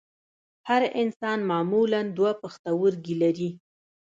هر انسان معمولاً دوه پښتورګي لري